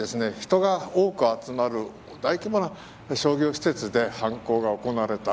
このように人が多く集まる大規模な商業施設で犯行が行われた。